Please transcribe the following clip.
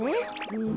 うん。